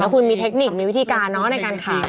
แล้วคุณมีเทคนิคมีวิธีการเนอะในการขาย